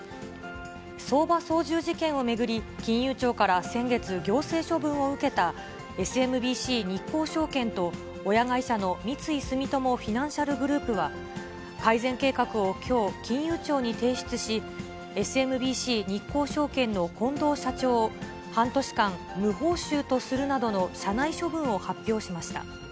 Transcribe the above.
相場操縦事件を巡り、金融庁から先月、行政処分を受けた、ＳＭＢＣ日興証券と親会社の三井住友フィナンシャルグループは、改善計画をきょう、金融庁に提出し、ＳＭＢＣ日興証券の近藤社長を半年間、無報酬とするなどの社内処分を発表しました。